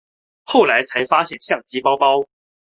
后来才发现相机包包